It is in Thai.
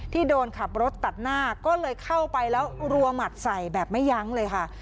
ที่โดนขับรถตัดหน้าก็เลยเข้าไปแล้วรัวหมัดใส่แบบไม่ยั้งเลยค่ะ